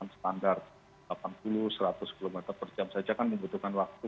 standar delapan puluh satu ratus sepuluh meter per jam saja kan membutuhkan waktu